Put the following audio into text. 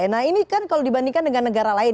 nah ini kan kalau dibandingkan dengan negara lain